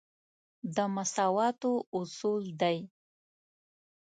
د مساواتو اصول دی.